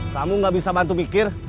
kamu gak bisa bantu mikir